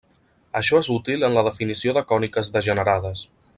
Això és útil en la definició de còniques degenerades.